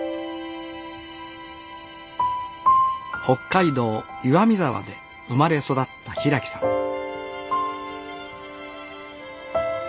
北海道岩見沢で生まれ育った平木さん